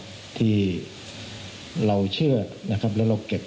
โดยที่เราก็ถล่อใจนะครับนะครับ